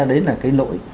đấy là cái lỗi